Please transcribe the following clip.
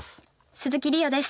鈴木梨予です。